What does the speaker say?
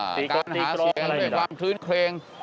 หาริกรการหาเสียงด้วยความคื้นเคลง